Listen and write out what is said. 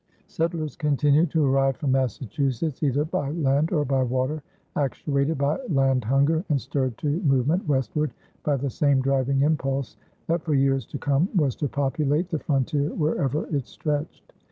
Settlers continued to arrive from Massachusetts, either by land or by water, actuated by land hunger and stirred to movement westward by the same driving impulse that for years to come was to populate the frontier wherever it stretched.